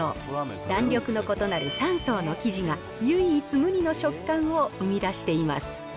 弾力の異なる三層の生地が唯一無二の食感を生み出しています。